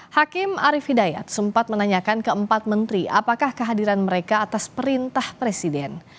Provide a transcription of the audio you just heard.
hakim arief hidayat sempat menanyakan keempat menteri apakah kehadiran mereka atas perintah presiden